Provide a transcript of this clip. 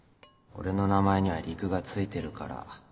俺の名前には陸がついてるから